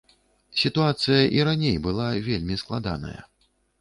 Сітуацыя і раней была вельмі складаная.